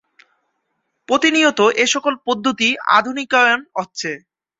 প্রতিনিয়ত এসকল পদ্ধতি আধুনিকায়ন হচ্ছে।